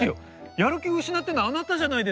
やる気失ってるのあなたじゃないですか！